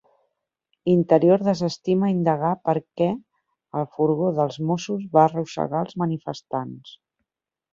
Interior desestima indagar per què el furgó dels Mossos va arrossegar els manifestants